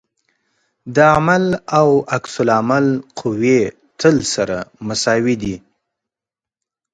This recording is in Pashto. د عمل او عکس العمل قوې تل سره مساوي دي.